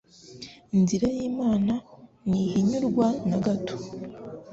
Inzira y’Imana ntihinyurwa na gato